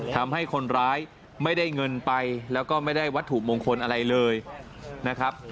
ทำให้คนร้ายไม่ได้เงินไปแล้วก็ไม่ได้วัตถุมงคลอะไรเลยนะครับ